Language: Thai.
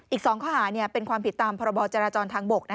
อีก๒ข้อหาเป็นความผิดตามพรบจราจรทางบก